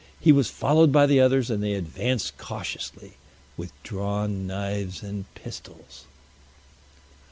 He was followed by the others, and they advanced cautiously with drawn knives and pistols.